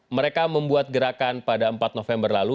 mereka membuat gerakan pada empat november lalu